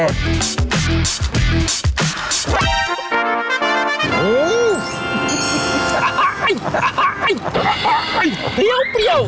เคี้ยว